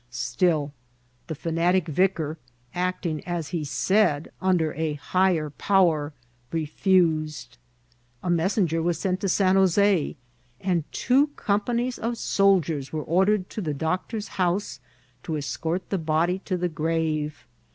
Still the fanatic vicar, acting, as he said, under a higher power, refused. A messenger was sent to San Jos6, and two companies of soldiers were ordered to the doc tor's house to escort the body to the grave.